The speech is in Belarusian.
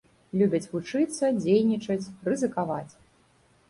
Любяць вучыцца, дзейнічаць, рызыкаваць.